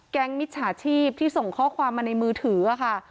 มิจฉาชีพที่ส่งข้อความมาในมือถือค่ะ